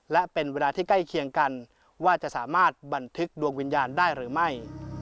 และเป็นเวลาที่ใกล้เคียงกันว่าจะสามารถบันทึกดวงวิญญาณได้หรือไม่